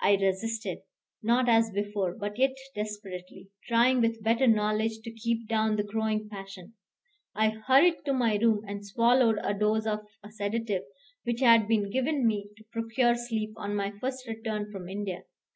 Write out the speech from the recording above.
I resisted, not as before, but yet desperately, trying with better knowledge to keep down the growing passion. I hurried to my room and swallowed a dose of a sedative which had been given me to procure sleep on my first return from India.